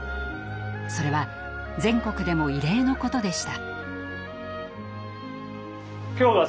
それは全国でも異例のことでした。